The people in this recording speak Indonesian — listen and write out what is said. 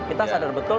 kita sadar betul